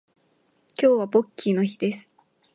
今日はポッキーの日です